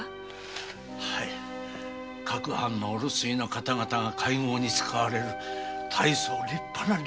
各藩のお留守居の方々が会合に使われる大層立派な料亭でございます。